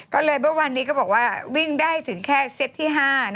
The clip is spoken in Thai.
ก็เลยเมื่อวันนี้ก็บอกว่าวิ่งได้ถึงแค่เซตที่๕